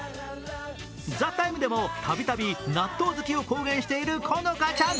「ＴＨＥＴＩＭＥ，」でもたびたび納豆好きを公言している好花ちゃん。